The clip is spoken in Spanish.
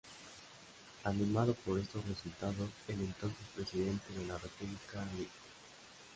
Animado por estos resultados, el entonces Presidente de la república, Lic.